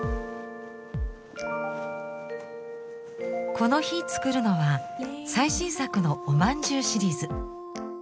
この日作るのは最新作の「おまんじゅうシリーズ」。